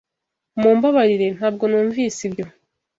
Mumbabarire, ntabwo numvise ibyo.